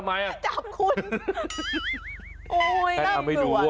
มันทา